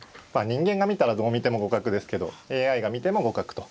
人間が見たらどう見ても互角ですけどＡＩが見ても互角と。